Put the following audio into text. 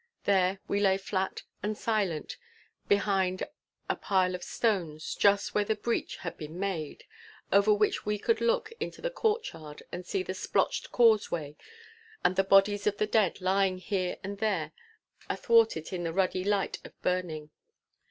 There we lay flat and silent behind a pile of stones, just where the breach had been made—over which we could look into the courtyard and see the splotched causeway and the bodies of the dead lying here and there athwart it in the ruddy light of burning.